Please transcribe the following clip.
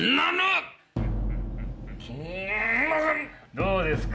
どうですか？